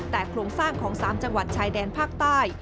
แต่โครงสร้างของ๓จังหวัดชายแดนภาคใต้